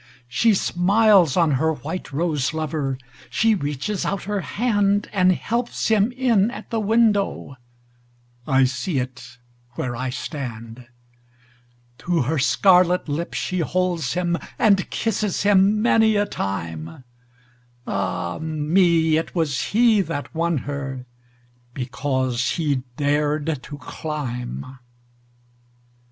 She smiles on her white rose lover, She reaches out her handAnd helps him in at the window—I see it where I stand! To her scarlet lip she holds him, And kisses him many a time—Ah, me! it was he that won herBecause he dared to climb!